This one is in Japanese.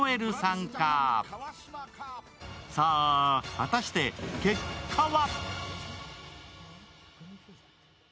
果たして結果は？